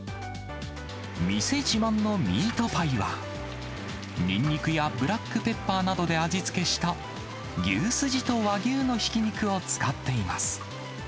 店自慢のミートパイは、ニンニクやブラックペッパーなどで味付けした牛すじと和牛のひき肉を使っています。